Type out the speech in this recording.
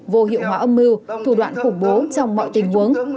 vô hiệu hóa âm mưu thủ đoạn khủng bố trong mọi tình huống